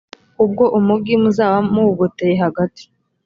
ubwo umugi muzaba muwugoteye hagati.